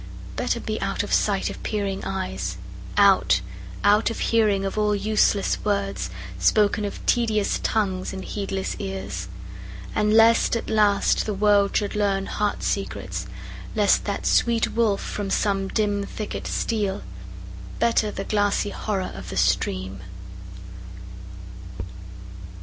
Better be out of sight of peering eyes; Out out of hearing of all useless words, Spoken of tedious tongues in heedless ears. And lest, at last, the world should learn heart secrets; Lest that sweet wolf from some dim thicket steal; Better the glassy horror of the stream.